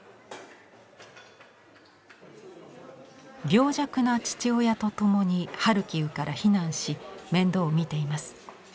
病弱な父親と共にハルキウから避難し面倒を見ています。